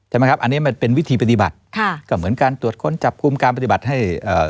ใช่ไหมครับอันนี้มันเป็นวิธีปฏิบัติค่ะก็เหมือนการตรวจค้นจับกลุ่มการปฏิบัติให้เอ่อ